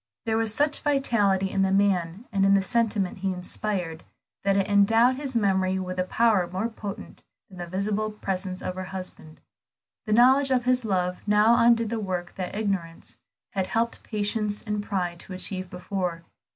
There was such vitality in the man and in the sentiment he inspired, that it endowed his memory with a power more potent than the visible presence of her husband. The knowledge of his love now undid the work that ignorance had helped patience and pride to achieve before.